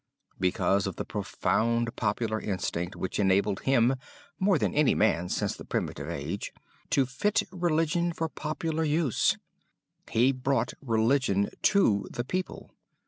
Because of the profound popular instinct which enabled him, more than any man since the primitive age, to fit religion for popular use. He brought religion to the people.